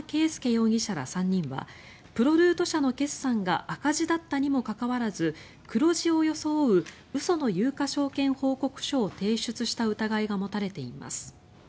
容疑者ら３人はプロルート社の決算が赤字だったにもかかわらず黒字を装う嘘の有価証券報告書を提出した疑いが持たれています。